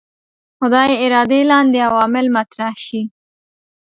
خدای ارادې لاندې عوامل مطرح شي.